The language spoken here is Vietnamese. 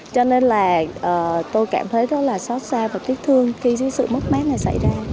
cho nên là tôi cảm thấy rất là xót xa và tiếc thương khi sự mất mát này xảy ra